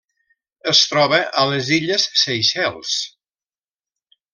Es troba a les Illes Seychelles.